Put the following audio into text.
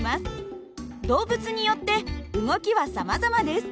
動物によって動きはさまざまです。